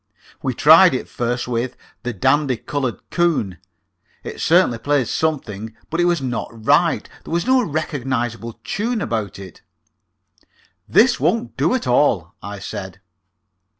We tried it first with "The Dandy Coloured Coon." It certainly played something, but it was not right. There was no recognizable tune about it. "This won't do at all," I said.